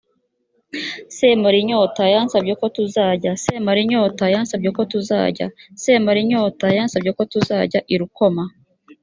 semarinyota yansabye ko tuzajya semarinyota yansabye ko tuzajya semarinyota yansabye ko tuzajyana i rukoma